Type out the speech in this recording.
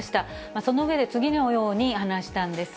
その上で次のように話したんです。